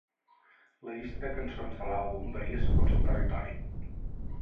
La llista de cançons de l'àlbum varia segons el territori.